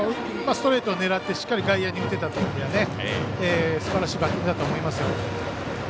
ストレートを狙ってしっかり外野に打てたというすばらしいバッティングだとは思いますよ。